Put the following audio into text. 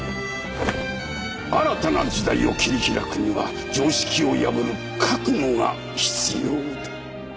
新たな時代を切り開くには常識を破る覚悟が必要だ。